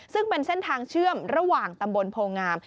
ซึ่งเป็นเส้นทางเชื่อมระหว่างตำบลโพงาม